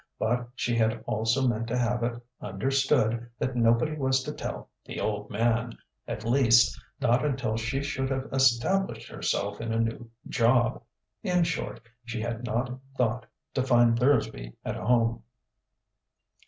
But she had also meant to have it understood that nobody was to tell "the Old Man" at least not until she should have established herself in a new job. In short, she had not thought to find Thursby at home.